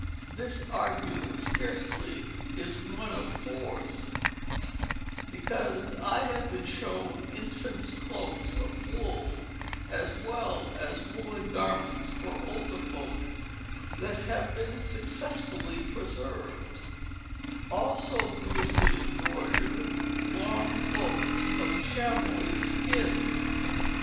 This argument scarcely is one of force, because I have been shown infants' cloaks of wool as well as woollen garments for older folk, that have been successfully preserved; also beautifully embroidered long cloaks of chamois skin.